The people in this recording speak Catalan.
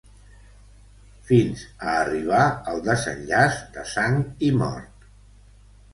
...fins a arribar al desenllaç de sang i mort.